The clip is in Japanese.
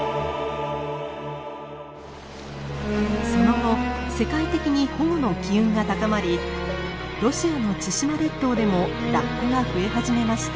その後世界的に保護の機運が高まりロシアの千島列島でもラッコが増え始めました。